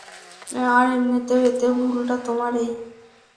আর এমনেতেও, এতে ভুলটা তোমারেই।